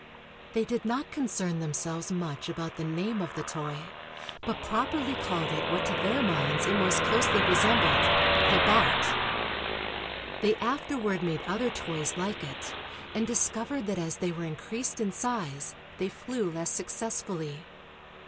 They did not concern themselves much about the name of the toy, but properly called it what to their minds it most closely resembled "the bat." They afterward made other toys like it and discovered that as they were increased in size they flew less successfully.